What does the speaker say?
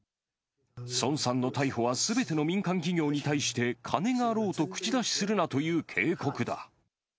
孫さんの逮捕はすべての民間企業に対して金があろうと口出しするなという警告だ。